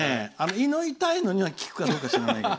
胃が痛いのには効くか分からないけど。